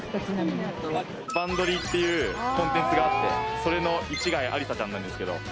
『バンドリ！』っていうコンテンツがあってそれの市ヶ谷有咲ちゃんなんですけど。